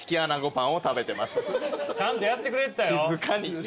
ちゃんとやってくれてたよ。